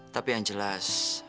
tapi yang jelas